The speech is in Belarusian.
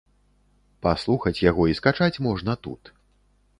Паслухаць яго і скачаць можна тут.